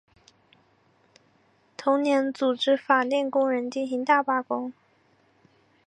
同年组织法电工人进行大罢工。